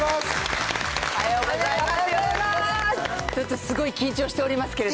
ちょっとすごい緊張しておりますけれども。